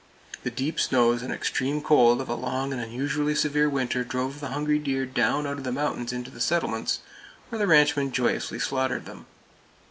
The deep snows and extreme cold of a long and unusually severe winter drove the hungry deer down out of the mountains into the settlements, where the ranchmen joyously slaughtered them.